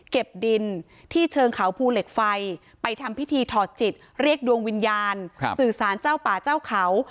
ดินที่เชิงเขาภูเหล็กไฟไปทำพิธีถอดจิตเรียกดวงวิญญาณสื่อสารเจ้าป่าเจ้าเขา